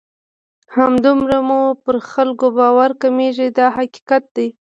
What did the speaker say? همدومره مو پر خلکو باور کمیږي دا حقیقت دی.